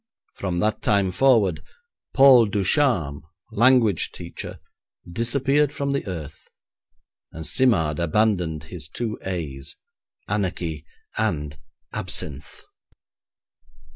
From that time forward, Paul Ducharme, language teacher, disappeared from the earth, and Simard abandoned his two A's anarchy and absinthe.